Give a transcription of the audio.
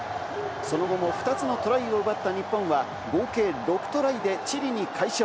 その後も２つのトライを奪った日本は合計６トライでチリに快勝！